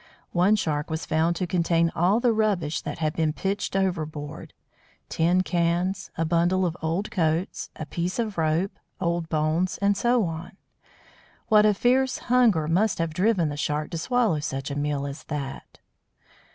One Shark was found to contain all the rubbish that had been pitched overboard; tin cans, a bundle of old coats, a piece of rope, old bones, and so on. What a fierce hunger must have driven the Shark to swallow such a meal as that!